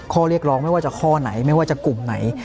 ข้อเรียกร้องไม่ว่าจะข้อไหนไม่ว่าจะกลุ่มไหน